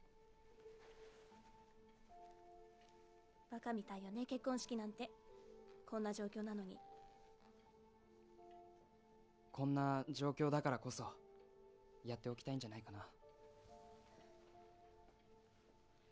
バカみたいよね結婚式なんてこんな状況なのにこんな状況だからこそやっておきたいんじゃないかな